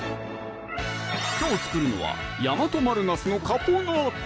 きょう作るのは「大和丸ナスのカポナータ」